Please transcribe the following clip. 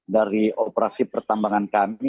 dari operasi pertambangan emisi karbon